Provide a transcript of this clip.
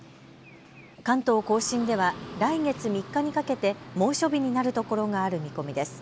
関東甲信では来月３日にかけて猛暑日になるところがある見込みです。